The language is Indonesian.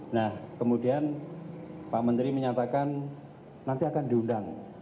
nah kemudian pak menteri menyatakan nanti akan diundang